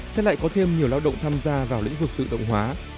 sẽ lại có thêm nhiều lao động tham gia vào lĩnh vực tự động hóa